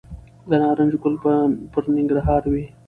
د نارنج ګل به پرننګرهار وي